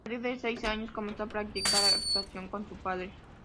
A partir de los seis años comenzó a practicar actuación con su padre.